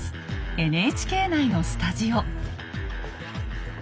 ＮＨＫ内のスタジオ。